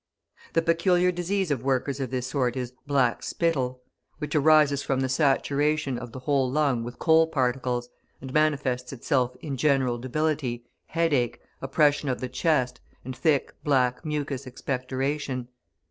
The peculiar disease of workers of this sort is "black spittle," which arises from the saturation of the whole lung with coal particles, and manifests itself in general debility, headache, oppression of the chest, and thick, black mucous expectoration.